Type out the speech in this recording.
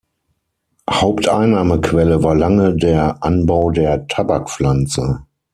Haupteinnahmequelle war lange der Anbau der Tabakpflanze.